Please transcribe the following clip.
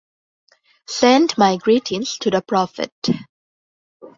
Send my greetings to the Prophet.